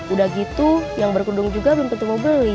udah gitu yang berkedung juga belum tentu mau beli